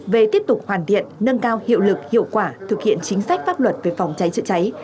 về tiếp tục hoàn thiện nâng cao hiệu lực hiệu quả thực hiện chính sách pháp luật về phòng cháy chữa cháy